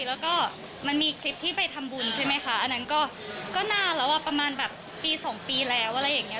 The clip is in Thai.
แล้วก็มันมีคลิปที่ไปทำบุญใช่ไหมคะอันนั้นก็นานแล้วอ่ะประมาณแบบปี๒ปีแล้วอะไรอย่างนี้